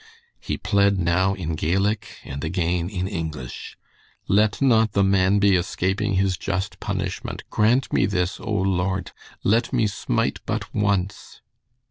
He pled now in Gaelic and again in English. "Let not the man be escaping his just punishment. Grant me this, O, Lord! Let me smite but once!"